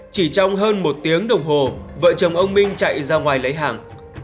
chỉ trong hơn một tiếng đồng hồ vợ chồng ông minh chạy ra ngoài lấy hàng